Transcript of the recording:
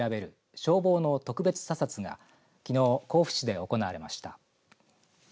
消防の特別査察がきのう、甲府市で行われました。